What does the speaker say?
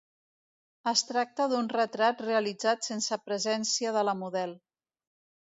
Es tracta d'un retrat realitzat sense presència de la model.